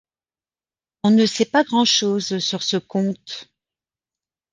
On ne sait pas grand-chose sur ce comte.